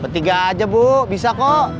bertiga aja bu bisa kok